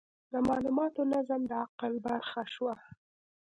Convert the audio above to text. د مالوماتو نظم د عقل برخه شوه.